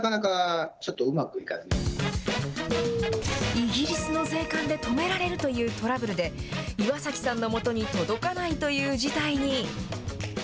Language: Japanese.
イギリスの税関で止められるというトラブルで、岩崎さんのもとに届かないという事態に。